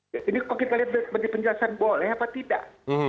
jadi kalau kita lihat di penjelasan boleh apa tidak